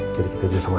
jadi kita bisa sama sama